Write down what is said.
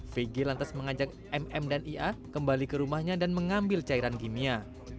vg lantas mengajak mm dan ia kembali ke rumahnya dan mengambil cairan kimia